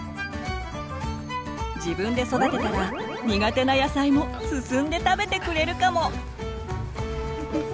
自分で育てたら苦手な野菜も進んで食べてくれるかも！